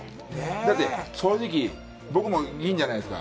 だって正直、僕も銀じゃないですか。